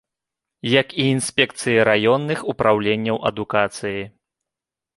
Як і інспекцыі раённых упраўленняў адукацыі.